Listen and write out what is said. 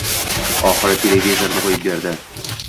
Oxiri televizorni qo‘yib berdi.